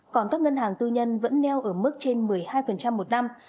còn các ngân hàng tư nhân vẫn neo ở mức trên một mươi hai một năm